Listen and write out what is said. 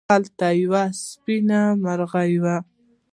هلته یوه سپېنه مرغانه وه.